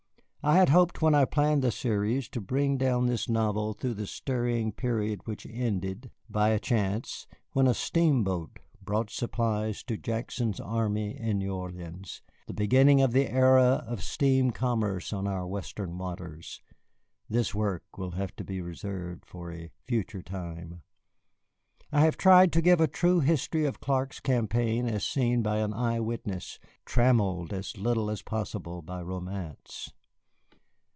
I had hoped when I planned the series to bring down this novel through the stirring period which ended, by a chance, when a steamboat brought supplies to Jackson's army in New Orleans the beginning of the era of steam commerce on our Western waters. This work will have to be reserved for a future time. I have tried to give a true history of Clark's campaign as seen by an eyewitness, trammelled as little as possible by romance.